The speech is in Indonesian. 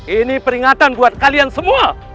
ini peringatan buat kalian semua